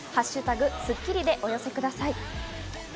「＃スッキリ」でお寄せください。